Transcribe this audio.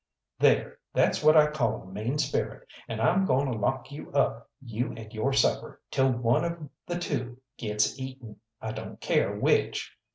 "There! That's what I call a mean spirit, and I'm goin' to lock you up, you and your supper, till one of the two gets eaten I don't care which!"